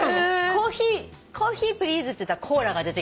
「コーヒープリーズ」って言ったらコーラが出てきたりっていう。